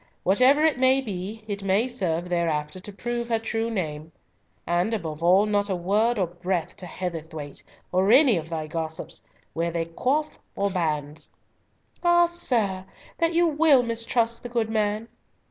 Whatever it may be, it may serve thereafter to prove her true name. And above all, not a word or breath to Heatherthwayte, or any of thy gossips, wear they coif or bands." "Ah, sir! that you will mistrust the good man."